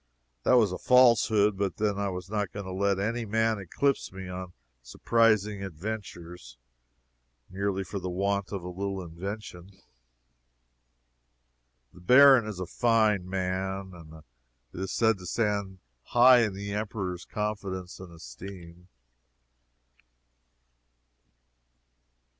That was a falsehood, but then I was not going to let any man eclipse me on surprising adventures, merely for the want of a little invention. The Baron is a fine man, and is said to stand high in the Emperor's confidence and esteem.